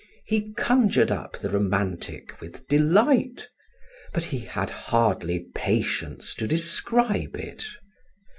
He conjured up the romantic with delight, but he had hardly patience to describe it.